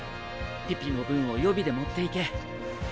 ピピの分を予備で持っていけ。